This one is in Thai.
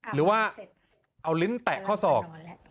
หรือว่าเอาลิ้นแตะข้อศอก